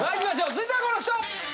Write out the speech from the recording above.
続いてはこの人！